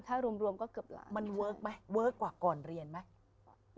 มันเวิร์กไหมเวิร์กกว่าก่อนเรียนไหม